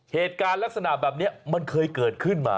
เหตุการณ์ลักษณะแบบนี้มันเคยเกิดขึ้นมา